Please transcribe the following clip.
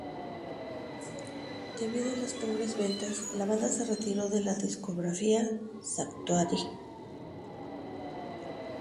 Debido a las pobres ventas, la banda se retiró de la discográfica Sanctuary.